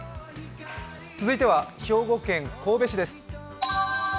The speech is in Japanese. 続いては兵庫県神戸市です。